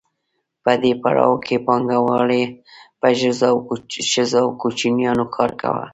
په دې پړاو کې پانګوالو په ښځو او کوچنیانو کار کاوه